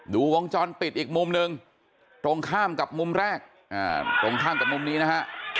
วงจรปิดอีกมุมหนึ่งตรงข้ามกับมุมแรกตรงข้ามกับมุมนี้นะฮะ